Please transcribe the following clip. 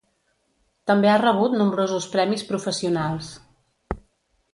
També ha rebut nombrosos premis professionals.